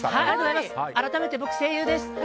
改めて、僕は声優です！